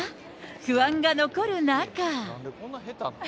不安が残る中。